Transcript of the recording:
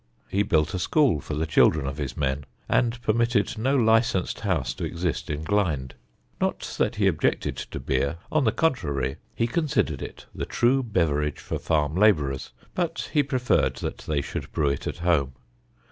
He built a school for the children of his men, and permitted no licensed house to exist in Glynde. Not that he objected to beer; on the contrary he considered it the true beverage for farm labourers; but he preferred that they should brew it at home.